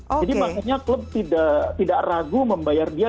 jadi makanya klub tidak ragu membayar dia